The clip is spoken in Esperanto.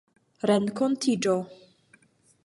renkontiĝo